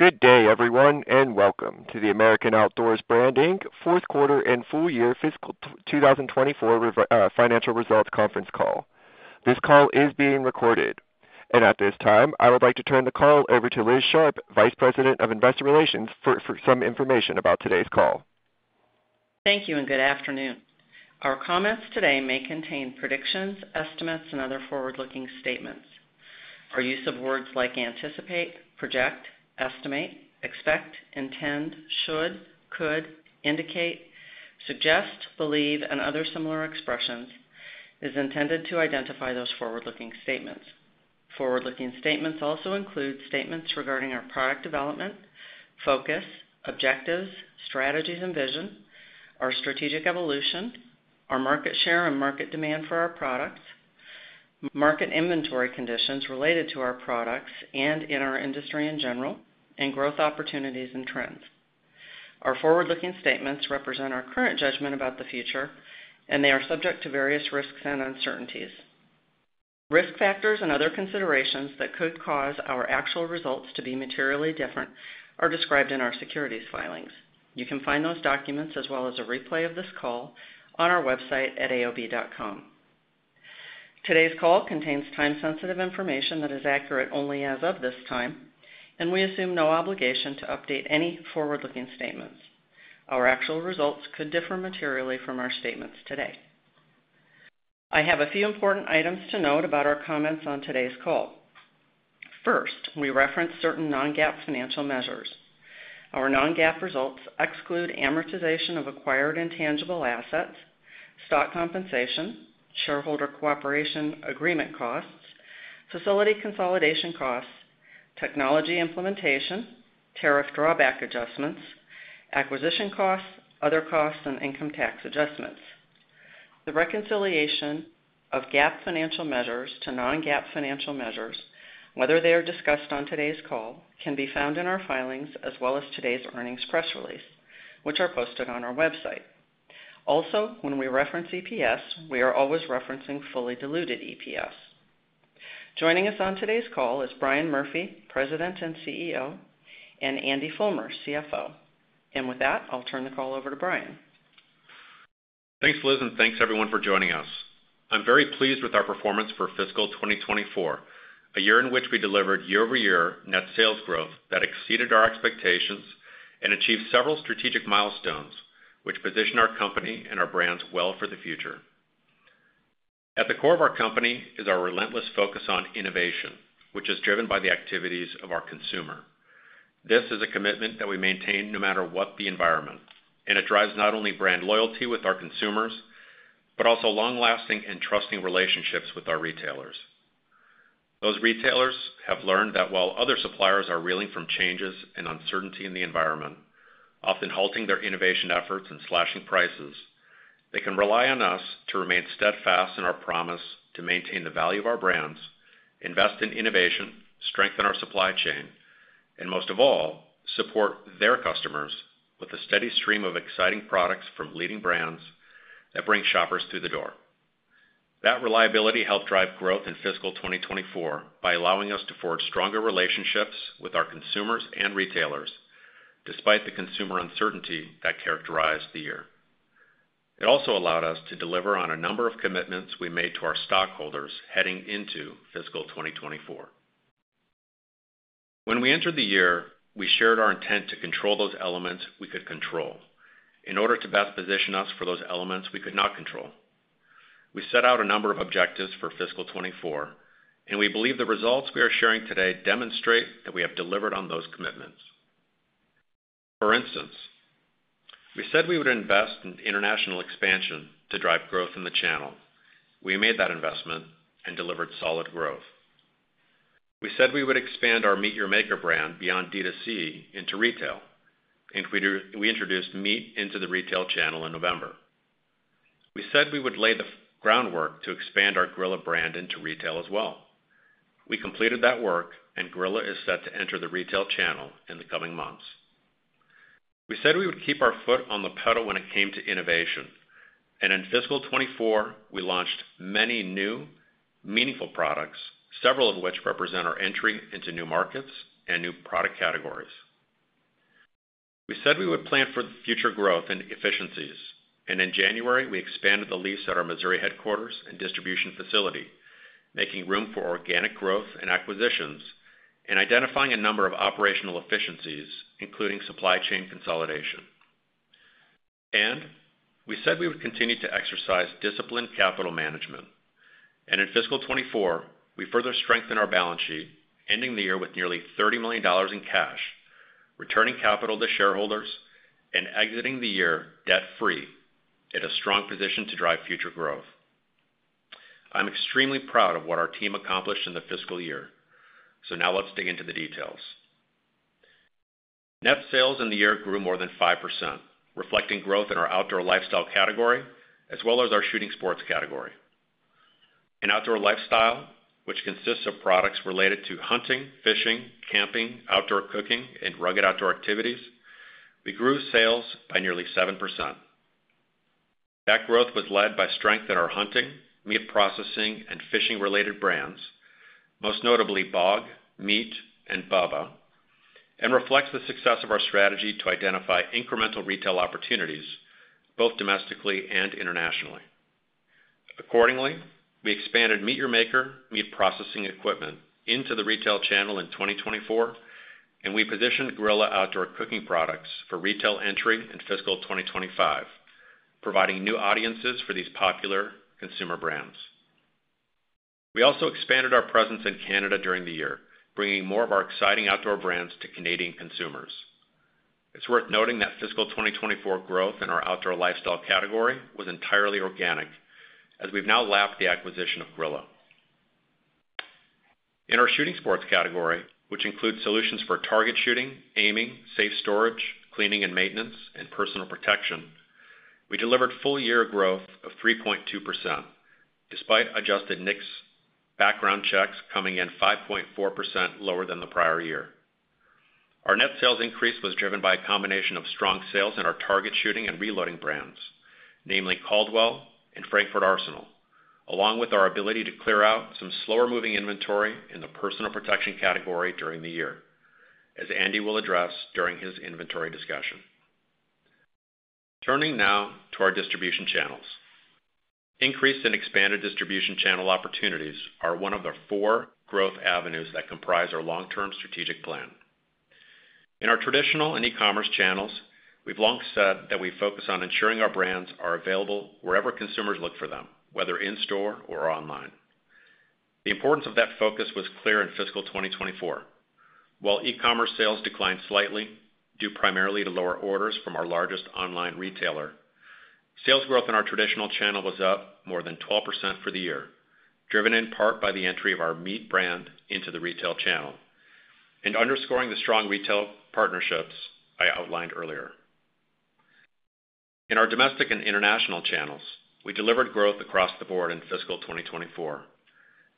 Good day, everyone, and welcome to the American Outdoor Brands, Inc. fourth quarter and full year fiscal 2024 financial results conference call. This call is being recorded. At this time, I would like to turn the call over to Liz Sharp, Vice President of investor relations, for some information about today's call. Thank you, and good afternoon. Our comments today may contain predictions, estimates, and other forward-looking statements. Our use of words like anticipate, project, estimate, expect, intend, should, could, indicate, suggest, believe, and other similar expressions is intended to identify those forward-looking statements. Forward-looking statements also include statements regarding our product development, focus, objectives, strategies and vision, our strategic evolution, our market share and market demand for our products, market inventory conditions related to our products and in our industry in general, and growth opportunities and trends. Our forward-looking statements represent our current judgment about the future, and they are subject to various risks and uncertainties. Risk factors and other considerations that could cause our actual results to be materially different are described in our securities filings. You can find those documents, as well as a replay of this call, on our website at aob.com. Today's call contains time-sensitive information that is accurate only as of this time, and we assume no obligation to update any forward-looking statements. Our actual results could differ materially from our statements today. I have a few important items to note about our comments on today's call. First, we reference certain non-GAAP financial measures. Our non-GAAP results exclude amortization of acquired intangible assets, stock compensation, shareholder cooperation agreement costs, facility consolidation costs, technology implementation, tariff drawback adjustments, acquisition costs, other costs, and income tax adjustments. The reconciliation of GAAP financial measures to non-GAAP financial measures, whether they are discussed on today's call, can be found in our filings, as well as today's earnings press release, which are posted on our website. Also, when we reference EPS, we are always referencing fully diluted EPS. Joining us on today's call is Brian Murphy, President and CEO, and Andy Fullmer, CFO. With that, I'll turn the call over to Brian. Thanks, Liz, and thanks everyone for joining us. I'm very pleased with our performance for fiscal 2024, a year in which we delivered year-over-year net sales growth that exceeded our expectations and achieved several strategic milestones, which position our company and our brands well for the future. At the core of our company is our relentless focus on innovation, which is driven by the activities of our consumer. This is a commitment that we maintain no matter what the environment, and it drives not only brand loyalty with our consumers, but also long-lasting and trusting relationships with our retailers. Those retailers have learned that while other suppliers are reeling from changes and uncertainty in the environment, often halting their innovation efforts and slashing prices, they can rely on us to remain steadfast in our promise to maintain the value of our brands, invest in innovation, strengthen our supply chain, and most of all, support their customers with a steady stream of exciting products from leading brands that bring shoppers through the door. That reliability helped drive growth in fiscal 2024 by allowing us to forge stronger relationships with our consumers and retailers, despite the consumer uncertainty that characterized the year. It also allowed us to deliver on a number of commitments we made to our stockholders heading into fiscal 2024. When we entered the year, we shared our intent to control those elements we could control in order to best position us for those elements we could not control. We set out a number of objectives for fiscal 2024, and we believe the results we are sharing today demonstrate that we have delivered on those commitments. For instance, we said we would invest in international expansion to drive growth in the channel. We made that investment and delivered solid growth. We said we would expand our MEAT! Your Maker brand beyond D2C into retail, and we introduced MEAT! into the retail channel in November. We said we would lay the groundwork to expand our Grilla brand into retail as well. We completed that work, and Grilla is set to enter the retail channel in the coming months. We said we would keep our foot on the pedal when it came to innovation, and in fiscal 2024, we launched many new, meaningful products, several of which represent our entry into new markets and new product categories. We said we would plan for the future growth and efficiencies, and in January, we expanded the lease at our Missouri headquarters and distribution facility, making room for organic growth and acquisitions and identifying a number of operational efficiencies, including supply chain consolidation. We said we would continue to exercise disciplined capital management. In fiscal 2024, we further strengthened our balance sheet, ending the year with nearly $30 million in cash, returning capital to shareholders and exiting the year debt-free, at a strong position to drive future growth. I'm extremely proud of what our team accomplished in the fiscal year. So now let's dig into the details. Net sales in the year grew more than 5%, reflecting growth in our outdoor lifestyle category, as well as our shooting sports category. In outdoor lifestyle, which consists of products related to hunting, fishing, camping, outdoor cooking, and rugged outdoor activities, we grew sales by nearly 7%. That growth was led by strength in our hunting, meat processing, and fishing-related brands, most notably BOG, MEAT!, and Bubba, and reflects the success of our strategy to identify incremental retail opportunities, both domestically and internationally. Accordingly, we expanded MEAT! Your Maker meat processing equipment into the retail channel in 2024, and we positioned Grilla outdoor cooking products for retail entry in fiscal 2025, providing new audiences for these popular consumer brands. We also expanded our presence in Canada during the year, bringing more of our exciting outdoor brands to Canadian consumers. It's worth noting that fiscal 2024 growth in our outdoor lifestyle category was entirely organic, as we've now lapped the acquisition of Grilla. In our shooting sports category, which includes solutions for target shooting, aiming, safe storage, cleaning and maintenance, and personal protection, we delivered full year growth of 3.2%, despite adjusted NICS background checks coming in 5.4% lower than the prior year. Our net sales increase was driven by a combination of strong sales in our target shooting and reloading brands, namely Caldwell and Frankford Arsenal, along with our ability to clear out some slower moving inventory in the personal protection category during the year, as Andy will address during his inventory discussion. Turning now to our distribution channels. Increased and expanded distribution channel opportunities are one of the four growth avenues that comprise our long-term strategic plan. In our traditional and e-commerce channels, we've long said that we focus on ensuring our brands are available wherever consumers look for them, whether in store or online. The importance of that focus was clear in fiscal 2024. While e-commerce sales declined slightly, due primarily to lower orders from our largest online retailer, sales growth in our traditional channel was up more than 12% for the year, driven in part by the entry of our MEAT! brand into the retail channel, and underscoring the strong retail partnerships I outlined earlier. In our domestic and international channels, we delivered growth across the board in fiscal 2024.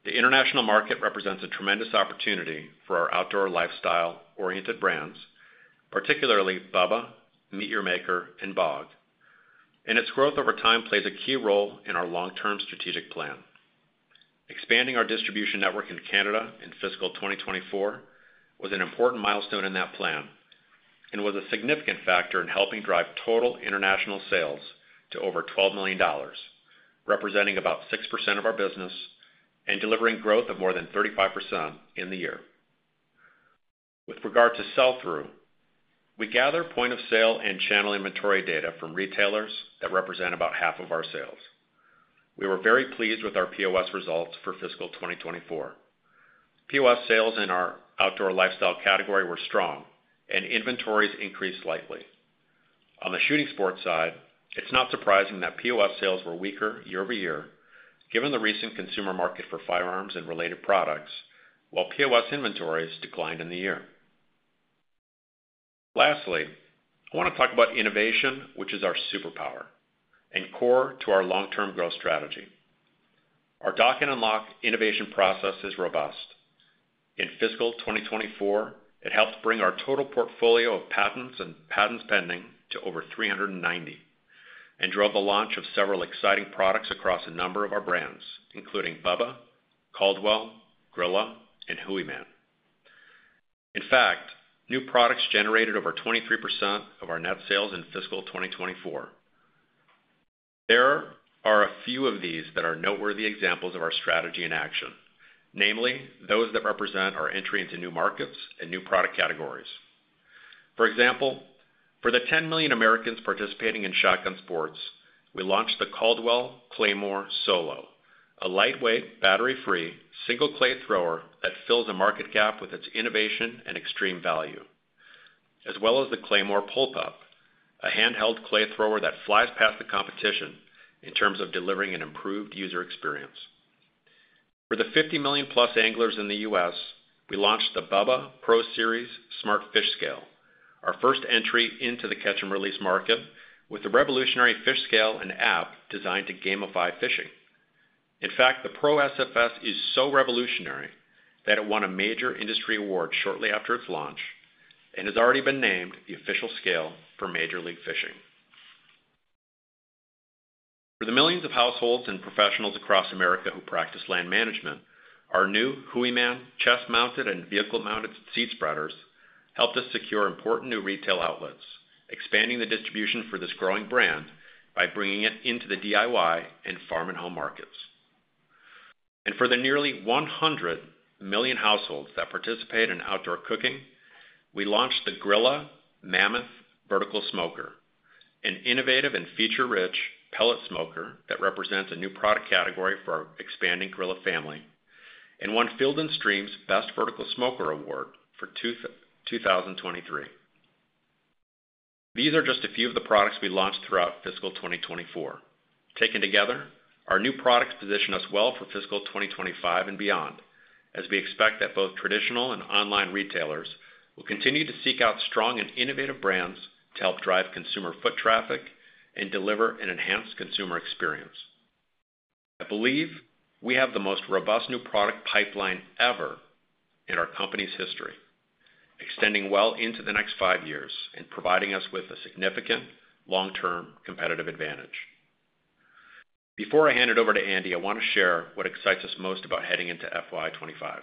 The international market represents a tremendous opportunity for our outdoor lifestyle-oriented brands, particularly Bubba, MEAT! Your Maker, and BOG, and its growth over time plays a key role in our long-term strategic plan. Expanding our distribution network in Canada in fiscal 2024 was an important milestone in that plan and was a significant factor in helping drive total international sales to over $12 million, representing about 6% of our business and delivering growth of more than 35% in the year. With regard to sell-through, we gather point of sale and channel inventory data from retailers that represent about half of our sales. We were very pleased with our POS results for fiscal 2024. POS sales in our outdoor lifestyle category were strong and inventories increased slightly. On the shooting sports side, it's not surprising that POS sales were weaker year-over-year, given the recent consumer market for firearms and related products, while POS inventories declined in the year. Lastly, I wanna talk about innovation, which is our superpower and core to our long-term growth strategy. Our Dock & Unlock innovation process is robust. In fiscal 2024, it helped bring our total portfolio of patents and patents pending to over 390, and drove the launch of several exciting products across a number of our brands, including Bubba, Caldwell, Grilla, and Hooyman. In fact, new products generated over 23% of our net sales in fiscal 2024. There are a few of these that are noteworthy examples of our strategy in action, namely, those that represent our entry into new markets and new product categories. For example, for the 10 million Americans participating in shotgun sports, we launched the Caldwell Claymore Solo, a lightweight, battery-free, single clay thrower that fills a market gap with its innovation and extreme value, as well as the Caldwell Claymore PullPup, a handheld clay thrower that flies past the competition in terms of delivering an improved user experience. For the 50 million+ anglers in the U.S., we launched the Bubba Pro Series Smart Fish Scale, our first entry into the catch and release market, with a revolutionary fish scale and app designed to gamify fishing. In fact, the Pro SFS is so revolutionary that it won a major industry award shortly after its launch and has already been named the official scale for Major League Fishing. For the millions of households and professionals across America who practice land management, our new Hooyman chest-mounted and vehicle-mounted seed spreaders helped us secure important new retail outlets, expanding the distribution for this growing brand by bringing it into the DIY and farm and home markets. And for the nearly 100 million households that participate in outdoor cooking, we launched the Grilla Mammoth Vertical Smoker, an innovative and feature-rich pellet smoker that represents a new product category for our expanding Grilla family, and won Field & Stream's Best Vertical Smoker award for 2023. These are just a few of the products we launched throughout fiscal 2024. Taken together, our new products position us well for fiscal 2025 and beyond, as we expect that both traditional and online retailers will continue to seek out strong and innovative brands to help drive consumer foot traffic and deliver an enhanced consumer experience. I believe we have the most robust new product pipeline ever in our company's history, extending well into the next five years and providing us with a significant long-term competitive advantage. Before I hand it over to Andy, I want to share what excites us most about heading into FY 2025.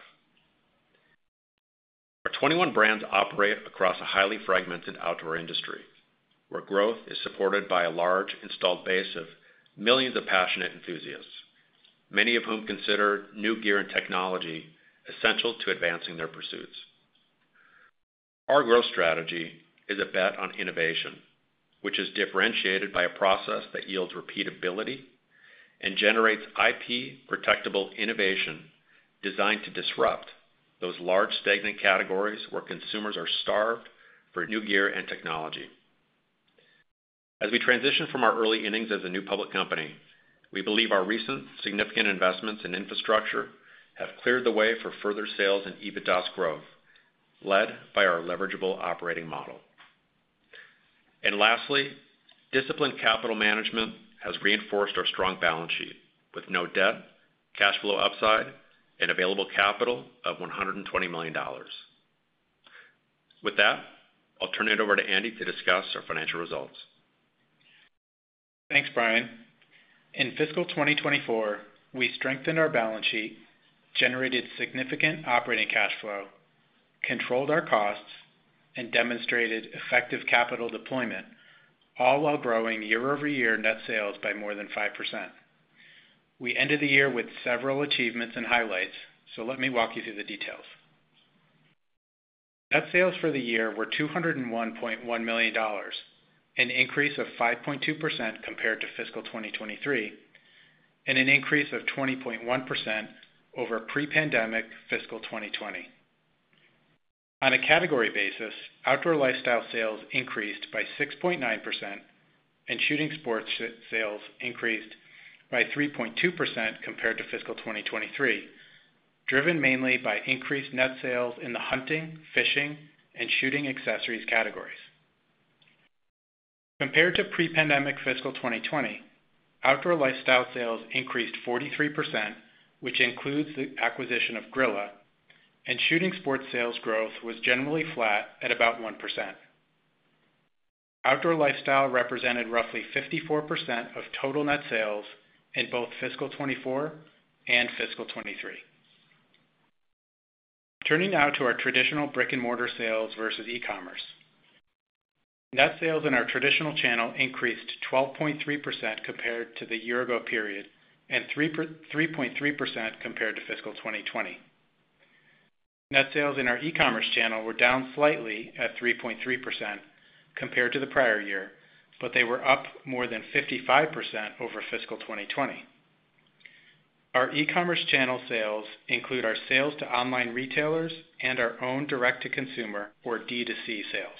Our 21 brands operate across a highly fragmented outdoor industry, where growth is supported by a large installed base of millions of passionate enthusiasts, many of whom consider new gear and technology essential to advancing their pursuits. Our growth strategy is a bet on innovation, which is differentiated by a process that yields repeatability and generates IP-protectable innovation designed to disrupt those large, stagnant categories where consumers are starved for new gear and technology. As we transition from our early innings as a new public company, we believe our recent significant investments in infrastructure have cleared the way for further sales and EBITDA growth, led by our leverageable operating model. Lastly, disciplined capital management has reinforced our strong balance sheet with no debt, cash flow upside, and available capital of $120 million. With that, I'll turn it over to Andy to discuss our financial results. Thanks, Brian. In fiscal 2024, we strengthened our balance sheet, generated significant operating cash flow, controlled our costs, and demonstrated effective capital deployment, all while growing year-over-year net sales by more than 5%. We ended the year with several achievements and highlights, so let me walk you through the details. Net sales for the year were $201.1 million, an increase of 5.2% compared to fiscal 2023, and an increase of 20.1% over pre-pandemic fiscal 2020. On a category basis, outdoor lifestyle sales increased by 6.9%, and shooting sports sales increased by 3.2% compared to fiscal 2023, driven mainly by increased net sales in the hunting, fishing, and shooting accessories categories. Compared to pre-pandemic fiscal 2020, outdoor lifestyle sales increased 43%, which includes the acquisition of Grilla, and shooting sports sales growth was generally flat at about 1%. Outdoor lifestyle represented roughly 54% of total net sales in both fiscal 2024 and fiscal 2023. Turning now to our traditional brick-and-mortar sales versus e-commerce. Net sales in our traditional channel increased 12.3% compared to the year-ago period, and 3.3% compared to fiscal 2020. Net sales in our e-commerce channel were down slightly at 3.3% compared to the prior year, but they were up more than 55% over fiscal 2020. Our e-commerce channel sales include our sales to online retailers and our own direct-to-consumer, or D2C, sales.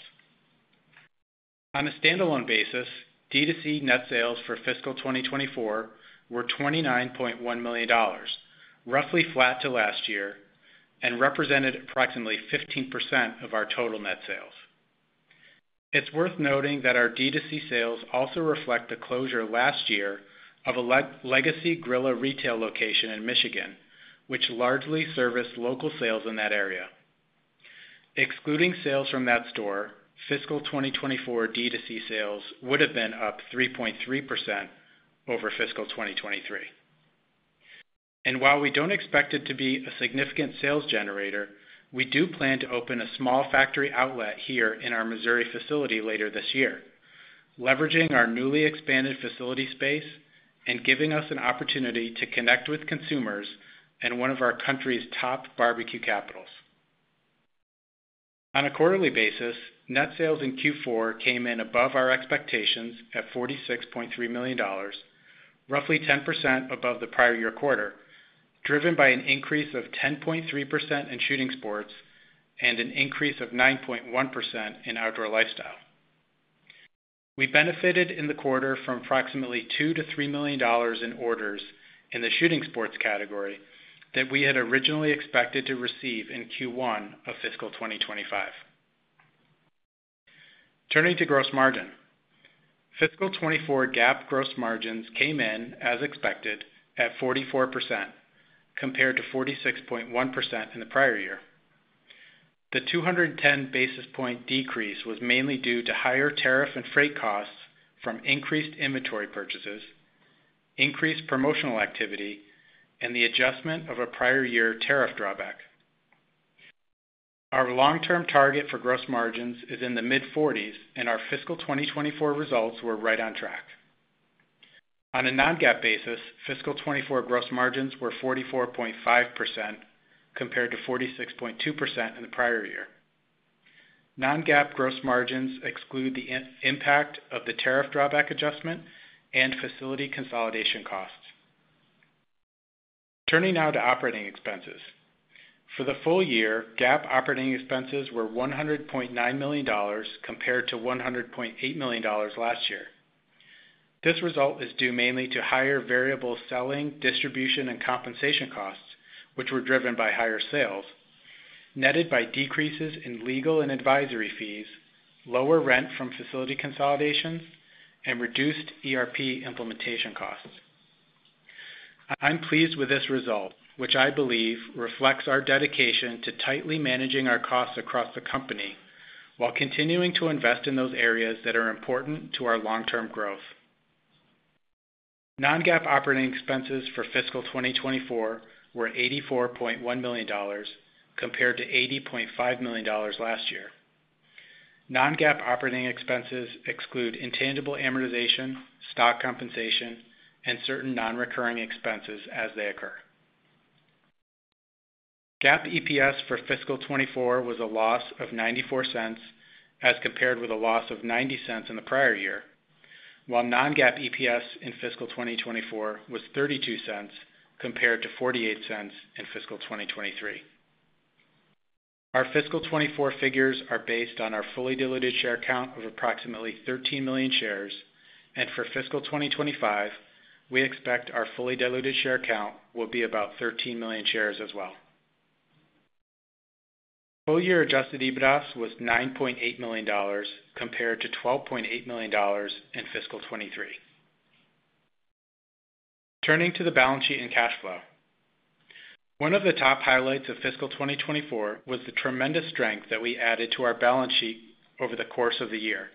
On a standalone basis, D2C net sales for fiscal 2024 were $29.1 million, roughly flat to last year, and represented approximately 15% of our total net sales. It's worth noting that our D2C sales also reflect the closure last year of a legacy Grilla retail location in Michigan, which largely serviced local sales in that area. Excluding sales from that store, fiscal 2024 D2C sales would've been up 3.3% over fiscal 2023. And while we don't expect it to be a significant sales generator, we do plan to open a small factory outlet here in our Missouri facility later this year, leveraging our newly expanded facility space and giving us an opportunity to connect with consumers in one of our country's top barbecue capitals. On a quarterly basis, net sales in Q4 came in above our expectations at $46.3 million, roughly 10% above the prior year quarter, driven by an increase of 10.3% in shooting sports and an increase of 9.1% in outdoor lifestyle. We benefited in the quarter from approximately $2 million-$3 million in orders in the shooting sports category that we had originally expected to receive in Q1 of fiscal 2025. Turning to gross margin. Fiscal 2024 GAAP gross margins came in as expected at 44%, compared to 46.1% in the prior year. The 210 basis point decrease was mainly due to higher tariff and freight costs from increased inventory purchases, increased promotional activity, and the adjustment of a prior year tariff drawback. Our long-term target for gross margins is in the mid-forties, and our fiscal 2024 results were right on track. On a non-GAAP basis, fiscal 2024 gross margins were 44.5%, compared to 46.2% in the prior year. Non-GAAP gross margins exclude the impact of the tariff drawback adjustment and facility consolidation costs. Turning now to operating expenses. For the full year, GAAP operating expenses were $100.9 million, compared to $100.8 million last year. This result is due mainly to higher variable selling, distribution, and compensation costs, which were driven by higher sales, netted by decreases in legal and advisory fees, lower rent from facility consolidation, and reduced ERP implementation costs. I'm pleased with this result, which I believe reflects our dedication to tightly managing our costs across the company, while continuing to invest in those areas that are important to our long-term growth. Non-GAAP operating expenses for fiscal 2024 were $84.1 million, compared to $80.5 million last year. Non-GAAP operating expenses exclude intangible amortization, stock compensation, and certain non-recurring expenses as they occur. GAAP EPS for fiscal 2024 was a loss of $0.94, as compared with a loss of $0.90 in the prior year, while non-GAAP EPS in fiscal 2024 was $0.32, compared to $0.48 in fiscal 2023. Our fiscal 2024 figures are based on our fully diluted share count of approximately 13 million shares, and for fiscal 2025, we expect our fully diluted share count will be about 13 million shares as well. Full-year adjusted EBITDA was $9.8 million, compared to $12.8 million in fiscal 2023. Turning to the balance sheet and cash flow. One of the top highlights of fiscal 2024 was the tremendous strength that we added to our balance sheet over the course of the year.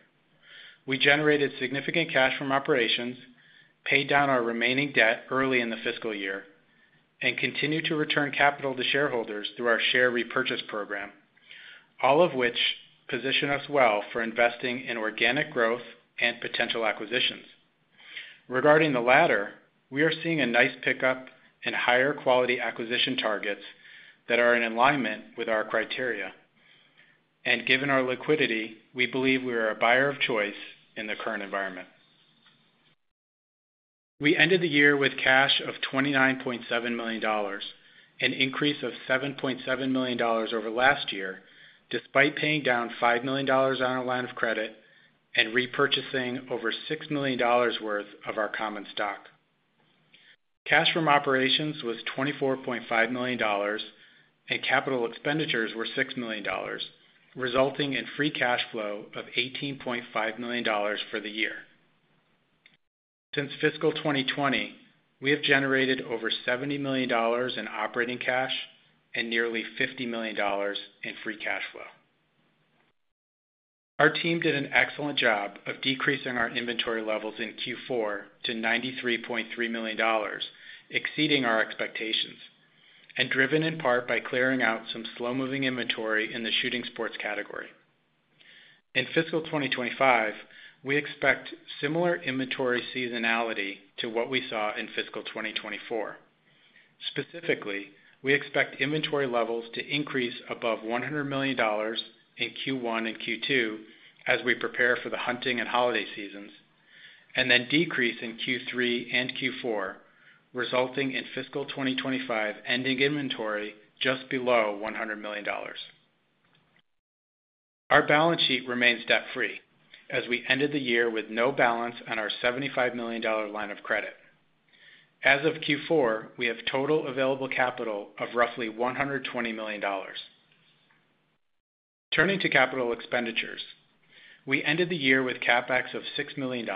We generated significant cash from operations, paid down our remaining debt early in the fiscal year, and continued to return capital to shareholders through our share repurchase program, all of which position us well for investing in organic growth and potential acquisitions. Regarding the latter, we are seeing a nice pickup in higher quality acquisition targets that are in alignment with our criteria. And given our liquidity, we believe we are a buyer of choice in the current environment. We ended the year with cash of $29.7 million, an increase of $7.7 million over last year, despite paying down $5 million on our line of credit and repurchasing over $6 million worth of our common stock. Cash from operations was $24.5 million, and capital expenditures were $6 million, resulting in free cash flow of $18.5 million for the year. Since fiscal 2020, we have generated over $70 million in operating cash and nearly $50 million in free cash flow. Our team did an excellent job of decreasing our inventory levels in Q4 to $93.3 million, exceeding our expectations, and driven in part by clearing out some slow-moving inventory in the shooting sports category. In fiscal 2025, we expect similar inventory seasonality to what we saw in fiscal 2024. Specifically, we expect inventory levels to increase above $100 million in Q1 and Q2 as we prepare for the hunting and holiday seasons, and then decrease in Q3 and Q4, resulting in fiscal 2025 ending inventory just below $100 million. Our balance sheet remains debt-free, as we ended the year with no balance on our $75 million line of credit. As of Q4, we have total available capital of roughly $120 million. Turning to capital expenditures, we ended the year with CapEx of $6 million.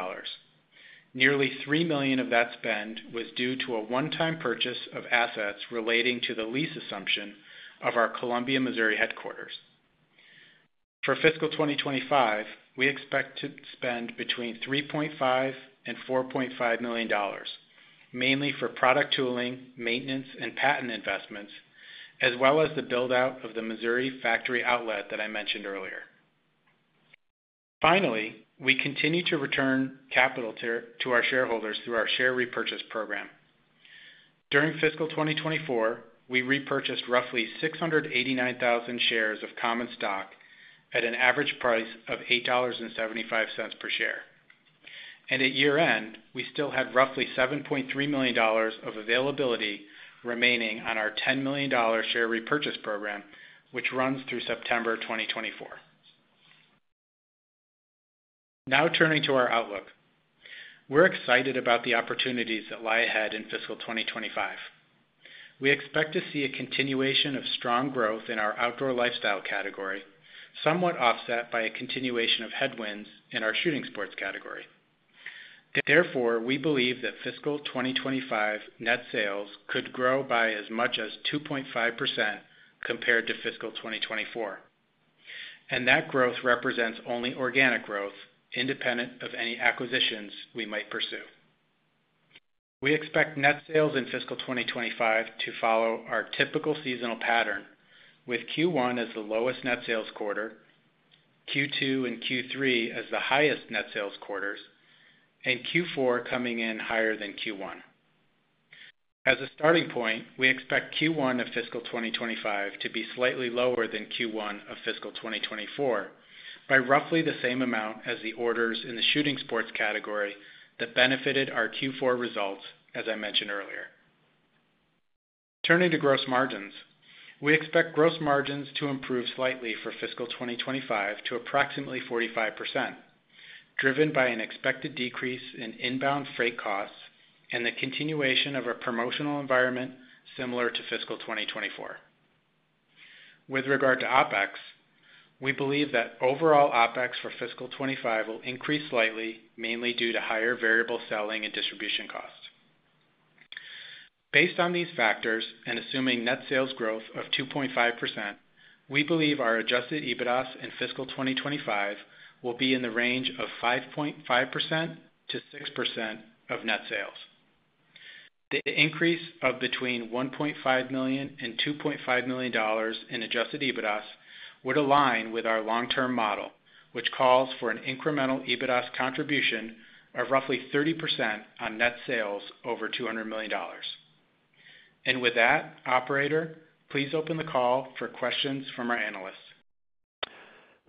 Nearly $3 million of that spend was due to a one-time purchase of assets relating to the lease assumption of our Columbia, Missouri headquarters. For fiscal 2025, we expect to spend between $3.5 million and $4.5 million, mainly for product tooling, maintenance, and patent investments, as well as the build-out of the Missouri factory outlet that I mentioned earlier. Finally, we continue to return capital to our shareholders through our share repurchase program. During fiscal 2024, we repurchased roughly 689,000 shares of common stock at an average price of $8.75 per share. At year-end, we still had roughly $7.3 million of availability remaining on our $10 million share repurchase program, which runs through September 2024. Now, turning to our outlook. We're excited about the opportunities that lie ahead in fiscal 2025. We expect to see a continuation of strong growth in our outdoor lifestyle category, somewhat offset by a continuation of headwinds in our shooting sports category. Therefore, we believe that fiscal 2025 net sales could grow by as much as 2.5% compared to fiscal 2024, and that growth represents only organic growth, independent of any acquisitions we might pursue. We expect net sales in fiscal 2025 to follow our typical seasonal pattern, with Q1 as the lowest net sales quarter, Q2 and Q3 as the highest net sales quarters, and Q4 coming in higher than Q1. As a starting point, we expect Q1 of fiscal 2025 to be slightly lower than Q1 of fiscal 2024, by roughly the same amount as the orders in the shooting sports category that benefited our Q4 results, as I mentioned earlier. Turning to gross margins, we expect gross margins to improve slightly for fiscal 2025 to approximately 45%, driven by an expected decrease in inbound freight costs and the continuation of a promotional environment similar to fiscal 2024. With regard to OpEx, we believe that overall OpEx for fiscal 2025 will increase slightly, mainly due to higher variable selling and distribution costs. Based on these factors, and assuming net sales growth of 2.5%, we believe our adjusted EBITDA in fiscal 2025 will be in the range of 5.5%-6% of net sales. The increase of between $1.5 million and $2.5 million in adjusted EBITDA would align with our long-term model, which calls for an incremental EBITDA contribution of roughly 30% on net sales over $200 million. With that, operator, please open the call for questions from our analysts.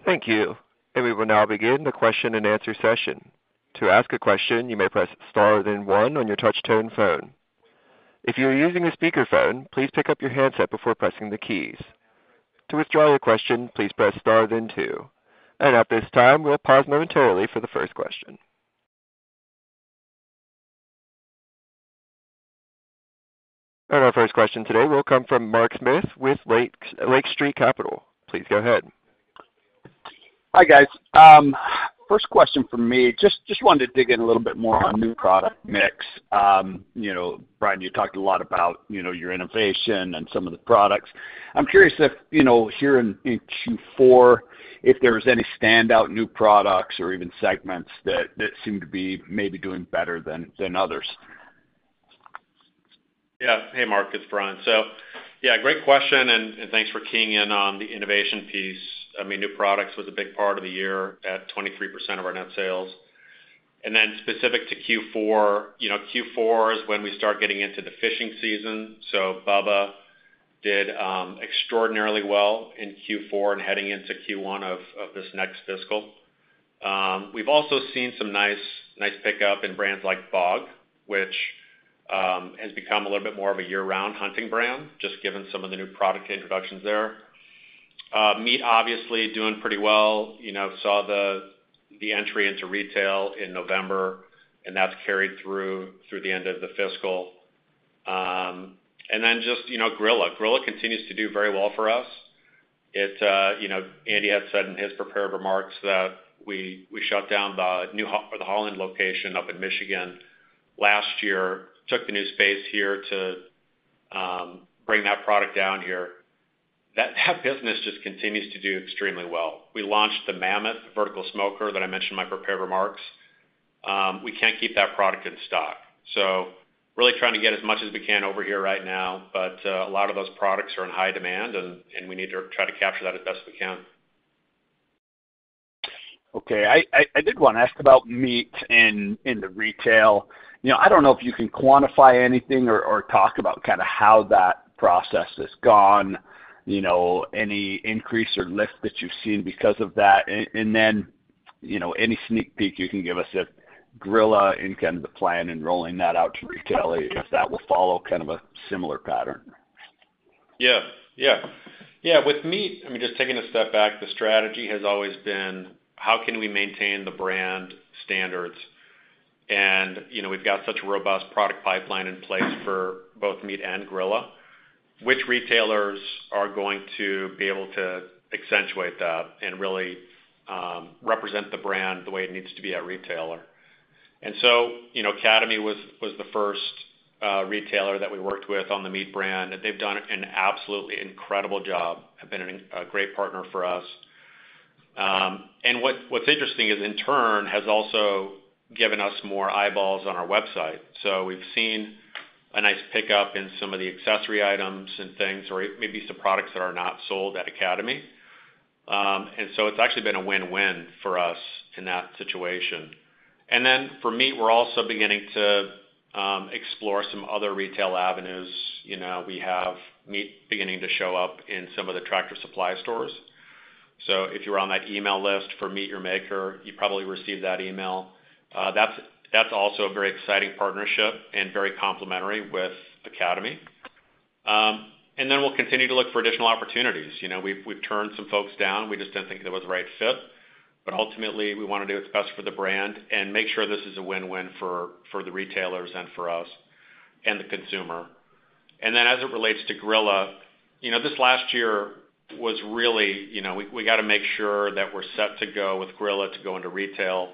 Thank you, and we will now begin the question and answer session. To ask a question, you may press star, then one on your touch-tone phone. If you are using a speakerphone, please pick up your handset before pressing the keys. To withdraw your question, please press star, then two. And at this time, we'll pause momentarily for the first question. And our first question today will come from Mark Smith with Lake Street Capital. Please go ahead. Hi, guys. First question from me. Just, just wanted to dig in a little bit more on new product mix. You know, Brian, you talked a lot about, you know, your innovation and some of the products. I'm curious if, you know, here in, in Q4, if there's any standout new products or even segments that, that seem to be maybe doing better than, than others? Yeah. Hey, Mark, it's Brian. So yeah, great question, and thanks for keying in on the innovation piece. I mean, new products was a big part of the year, at 23% of our net sales. And then specific to Q4, you know, Q4 is when we start getting into the fishing season. So Bubba did extraordinarily well in Q4 and heading into Q1 of this next fiscal. We've also seen some nice pickup in brands like BOG, which has become a little bit more of a year-round hunting brand, just given some of the new product introductions there. Meat obviously doing pretty well. You know, saw the entry into retail in November, and that's carried through the end of the fiscal. And then just, you know, Grilla. Grilla continues to do very well for us. It, you know, Andy had said in his prepared remarks that we, we shut down the new Ho- the Holland location up in Michigan last year. Took the new space here to bring that product down here. That, that business just continues to do extremely well. We launched the Mammoth vertical smoker that I mentioned in my prepared remarks. We can't keep that product in stock, so really trying to get as much as we can over here right now. But, a lot of those products are in high demand, and, and we need to try to capture that as best we can. Okay. I did wanna ask about Meat in the retail. You know, I don't know if you can quantify anything or talk about kinda how that process has gone, you know, any increase or lift that you've seen because of that. And then, you know, any sneak peek you can give us at Grilla and kind of the plan in rolling that out to retail, if that will follow kind of a similar pattern? Yeah. Yeah. Yeah, with MEAT!, I mean, just taking a step back, the strategy has always been: How can we maintain the brand standards? And, you know, we've got such a robust product pipeline in place for both MEAT! and Grilla, which retailers are going to be able to accentuate that and really, represent the brand the way it needs to be at retailer. And so, you know, Academy was the first retailer that we worked with on the MEAT! brand, and they've done an absolutely incredible job, have been a great partner for us. And what's interesting is, in turn, has also given us more eyeballs on our website. So we've seen a nice pickup in some of the accessory items and things, or maybe some products that are not sold at Academy. And so it's actually been a win-win for us in that situation. And then for MEAT!, we're also beginning to explore some other retail avenues. You know, we have MEAT! beginning to show up in some of the Tractor Supply stores. So if you were on that email list for MEAT! Your Maker, you probably received that email. That's also a very exciting partnership and very complementary with Academy. And then we'll continue to look for additional opportunities. You know, we've turned some folks down. We just didn't think it was the right fit. But ultimately, we wanna do what's best for the brand and make sure this is a win-win for the retailers and for us and the consumer. Then as it relates to Grilla, you know, this last year was really, you know, we gotta make sure that we're set to go with Grilla to go into retail.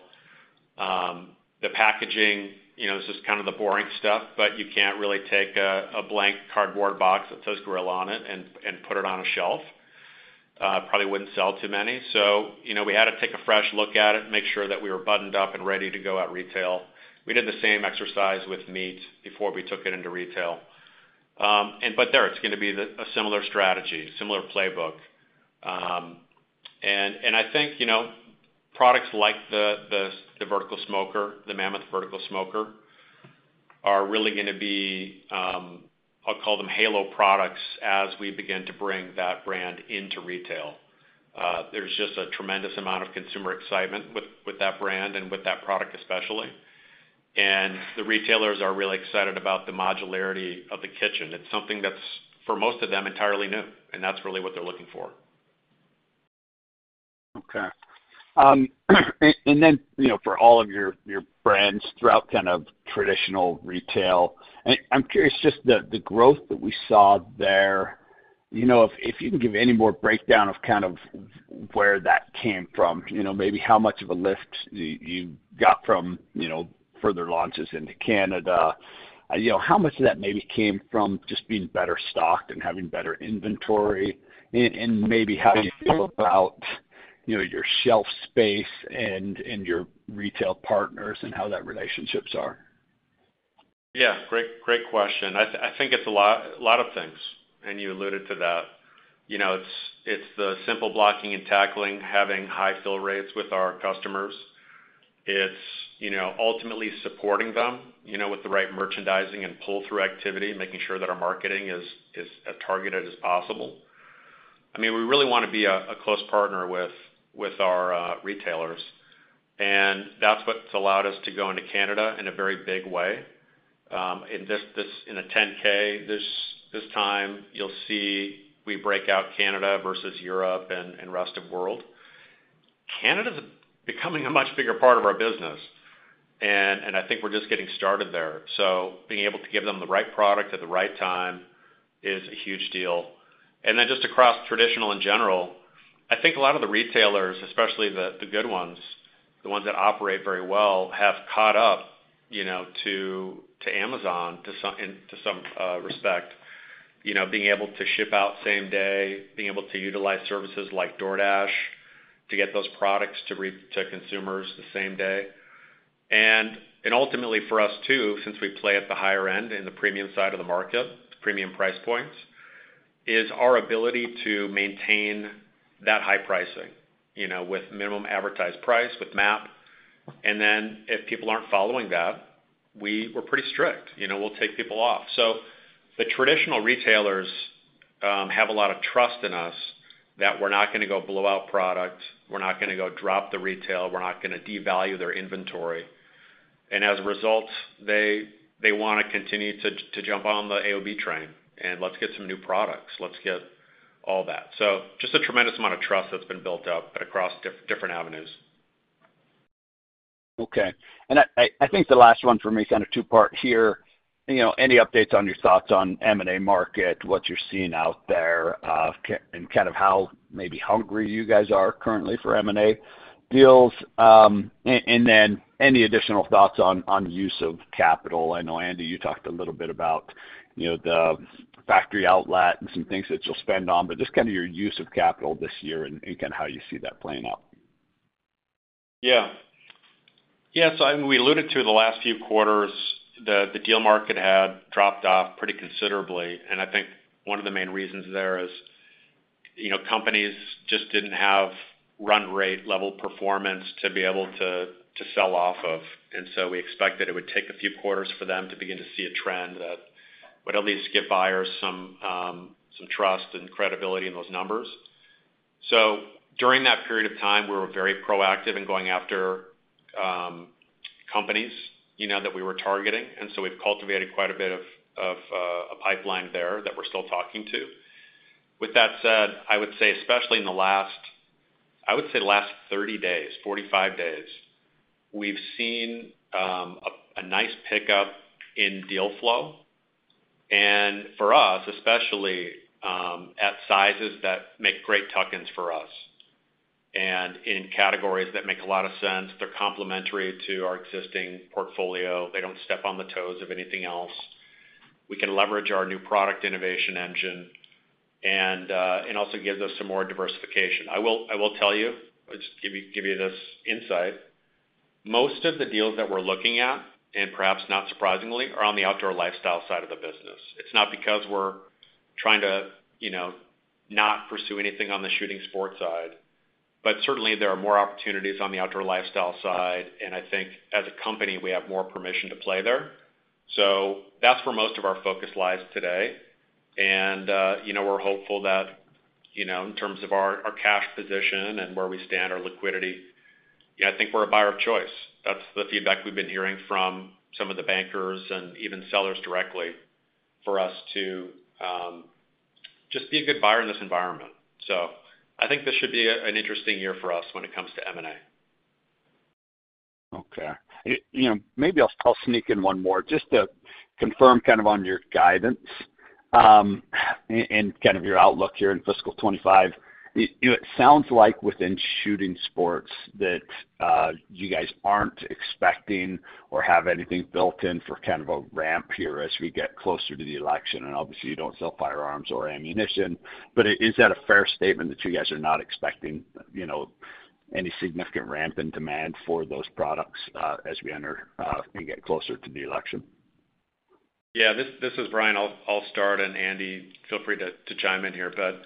The packaging, you know, this is kind of the boring stuff, but you can't really take a blank cardboard box that says Grilla on it and put it on a shelf. Probably wouldn't sell too many. So, you know, we had to take a fresh look at it, make sure that we were buttoned up and ready to go at retail. We did the same exercise with MEAT! before we took it into retail. But there, it's gonna be a similar strategy, similar playbook. I think, you know, products like the vertical smoker, the Mammoth Vertical Smoker, are really gonna be, I'll call them halo products, as we begin to bring that brand into retail. There's just a tremendous amount of consumer excitement with that brand and with that product especially, and the retailers are really excited about the modularity of the kitchen. It's something that's, for most of them, entirely new, and that's really what they're looking for. Okay. And then, you know, for all of your brands throughout kind of traditional retail, I'm curious, just the growth that we saw there, you know, if you can give any more breakdown of kind of where that came from, you know, maybe how much of a lift you got from, you know, further launches into Canada? You know, how much of that maybe came from just being better stocked and having better inventory, and maybe how you feel about, you know, your shelf space and your retail partners and how that relationships are? Yeah, great, great question. I think it's a lot, a lot of things, and you alluded to that. You know, it's the simple blocking and tackling, having high fill rates with our customers. It's, you know, ultimately supporting them, you know, with the right merchandising and pull-through activity, making sure that our marketing is as targeted as possible. I mean, we really wanna be a close partner with our retailers, and that's what's allowed us to go into Canada in a very big way. In the 10-K, this time, you'll see we break out Canada versus Europe and rest of world. Canada's becoming a much bigger part of our business, and I think we're just getting started there. So being able to give them the right product at the right time is a huge deal. Then just across traditional in general, I think a lot of the retailers, especially the good ones, the ones that operate very well, have caught up, you know, to Amazon, to some respect. You know, being able to ship out same day, being able to utilize services like DoorDash to get those products to consumers the same day. And ultimately, for us, too, since we play at the higher end, in the premium side of the market, premium price points, is our ability to maintain that high pricing, you know, with minimum advertised price, with MAP. And then if people aren't following that, we're pretty strict, you know? We'll take people off. So the traditional retailers have a lot of trust in us that we're not gonna go blow out product, we're not gonna go drop the retail, we're not gonna devalue their inventory. And as a result, they, they wanna continue to jump on the AOB train, and let's get some new products. Let's get all that. So just a tremendous amount of trust that's been built up, but across different avenues. Okay. And I think the last one for me is kind of two-part here. You know, any updates on your thoughts on M&A market, what you're seeing out there, and kind of how maybe hungry you guys are currently for M&A deals? And then any additional thoughts on use of capital? I know, Andy, you talked a little bit about, you know, the factory outlet and some things that you'll spend on, but just kind of your use of capital this year and kind of how you see that playing out. Yeah. Yeah, so I mean, we alluded to the last few quarters, the deal market had dropped off pretty considerably, and I think one of the main reasons there is, you know, companies just didn't have run rate level performance to be able to, to sell off of, and so we expected it would take a few quarters for them to begin to see a trend that would at least give buyers some, some trust and credibility in those numbers. So during that period of time, we were very proactive in going after, companies, you know, that we were targeting, and so we've cultivated quite a bit of, of a pipeline there that we're still talking to. With that said, I would say, especially in the last, I would say the last 30 days, 45 days, we've seen a nice pickup in deal flow, and for us, especially, at sizes that make great tuck-ins for us and in categories that make a lot of sense. They're complementary to our existing portfolio. They don't step on the toes of anything else. We can leverage our new product innovation engine, and it also gives us some more diversification. I will tell you, just give you this insight: Most of the deals that we're looking at, and perhaps not surprisingly, are on the outdoor lifestyle side of the business. It's not because we're trying to, you know, not pursue anything on the shooting sports side, but certainly there are more opportunities on the outdoor lifestyle side, and I think as a company, we have more permission to play there. So that's where most of our focus lies today, and, you know, we're hopeful that, you know, in terms of our, our cash position and where we stand, our liquidity, yeah, I think we're a buyer of choice. That's the feedback we've been hearing from some of the bankers and even sellers directly, for us to just be a good buyer in this environment. So I think this should be a, an interesting year for us when it comes to M&A. Okay. You know, maybe I'll sneak in one more just to confirm kind of on your guidance, and kind of your outlook here in fiscal 2025. You know, it sounds like within shooting sports that you guys aren't expecting or have anything built in for kind of a ramp here as we get closer to the election, and obviously, you don't sell firearms or ammunition. But is that a fair statement, that you guys are not expecting, you know, any significant ramp in demand for those products as we enter and get closer to the election? Yeah, this is Brian. I'll start, and Andy, feel free to chime in here. But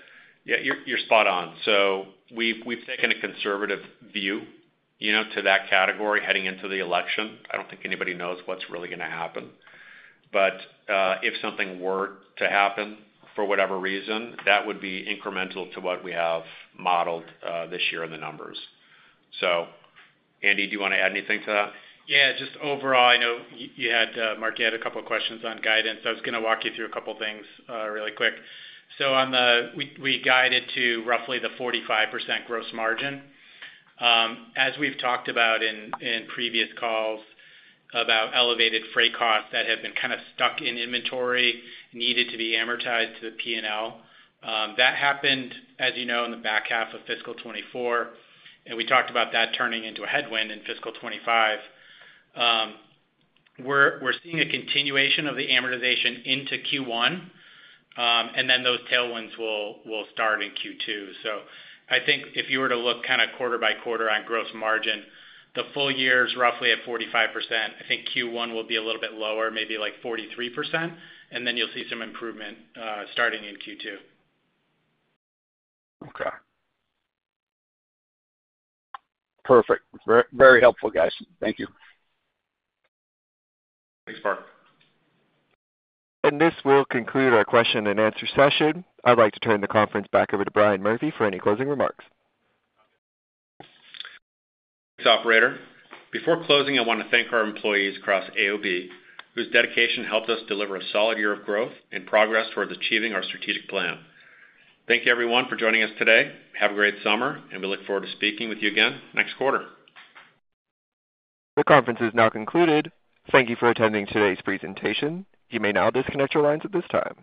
yeah, you're spot on. So we've taken a conservative view, you know, to that category heading into the election. I don't think anybody knows what's really gonna happen. But if something were to happen, for whatever reason, that would be incremental to what we have modeled this year in the numbers. So Andy, do you want to add anything to that? Yeah, just overall, I know you had, Mark, you had a couple questions on guidance. I was gonna walk you through a couple things, really quick. We guided to roughly the 45% gross margin. As we've talked about in previous calls about elevated freight costs that have been kind of stuck in inventory, needed to be amortized to the P&L, that happened, as you know, in the back half of fiscal 2024, and we talked about that turning into a headwind in fiscal 2025. We're seeing a continuation of the amortization into Q1, and then those tailwinds will start in Q2. So I think if you were to look kind of quarter by quarter on gross margin, the full year's roughly at 45%. I think Q1 will be a little bit lower, maybe like 43%, and then you'll see some improvement starting in Q2. Okay. Perfect. Very, very helpful, guys. Thank you. Thanks, Mark. This will conclude our question and answer session. I'd like to turn the conference back over to Brian Murphy for any closing remarks. Thanks, Operator. Before closing, I want to thank our employees across AOB, whose dedication helped us deliver a solid year of growth and progress towards achieving our strategic plan. Thank you, everyone, for joining us today. Have a great summer, and we look forward to speaking with you again next quarter. The conference is now concluded. Thank you for attending today's presentation. You may now disconnect your lines at this time.